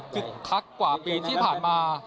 คักกว่าปีที่ผ่านมา